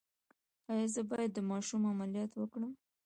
ایا زه باید د ماشوم عملیات وکړم؟